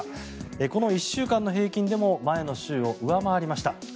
この１週間の平均でも前の週を上回りました。